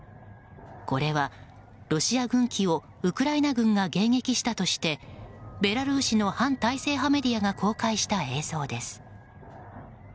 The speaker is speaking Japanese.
これはロシア軍機をウクライナ軍が迎撃したとしてベラルーシの反体制派メディアが公開した映像です。